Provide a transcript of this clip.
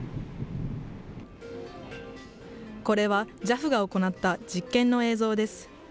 これは、ＪＡＦが行った実験の映像です。